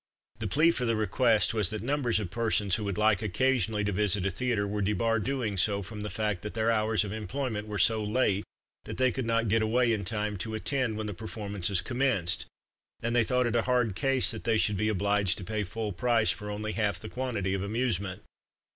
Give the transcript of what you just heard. The plea for the request was that numbers of persons who would like occasionally to visit a theatre were debarred doing so from the fact that their hours of employment were so late that they could not get away in time to attend when the performances commenced, and they thought it a hard case that they should be obliged to pay full price for only half the quantity of amusement.